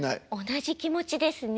同じ気持ちですね。